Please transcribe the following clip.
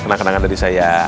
kenal kenalan dari saya